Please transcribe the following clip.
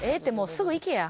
すぐ行けや。